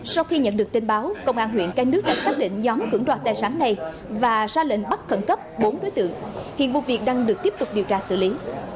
sau khi nhận được tin báo công an huyện cái nước đã xác định nhóm cưỡng đoạt tài sản này và ra lệnh bắt khẩn cấp bốn đối tượng hiện vụ việc đang được tiếp tục điều tra xử lý